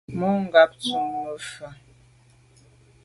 Mà ngab tsho’ mfe tù.